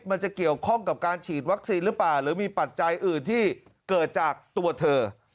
มันจะเกี่ยวข้องกับการฉีดวัคซีนหรือเปล่าหรือมีปัจจัยอื่นที่เกิดจากตัวเธอ